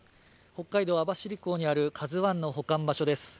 北海道網走港にある「ＫＡＺＵⅠ」の保管場所です。